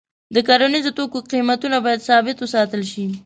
د کرنیزو توکو قیمتونه باید ثابت وساتل شي.